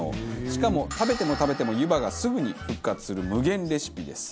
しかも食べても食べても湯葉がすぐに復活する無限レシピです。